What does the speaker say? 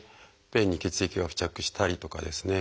便に血液が付着したりとかですね